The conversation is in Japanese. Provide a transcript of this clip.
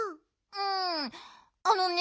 うんあのね